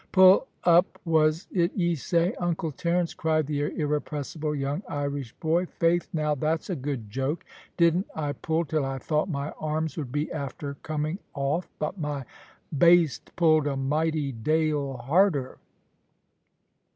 "Pull up was it ye say, Uncle Terence?" cried the irrepressible young Irish boy. "Faith now, that's a good joke. Didn't I pull till I thought my arms would be after coming off, but my baste pulled a mighty dale harder."